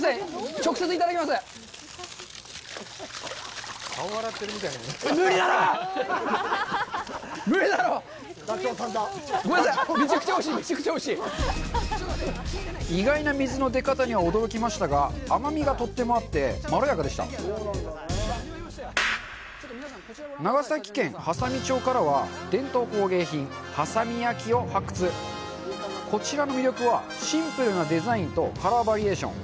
直接頂きますごめんなさい意外な水の出方には驚きましたが甘みがとってもあってまろやかでした長崎県波佐見町からは伝統工芸品・波佐見焼を発掘こちらの魅力はシンプルなデザインとカラーバリエーション